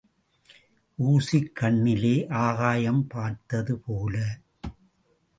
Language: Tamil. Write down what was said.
ஊசிக் கண்ணிலே ஆகாயம் பார்த்தது போல.